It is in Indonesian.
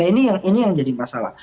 nah ini yang jadi masalah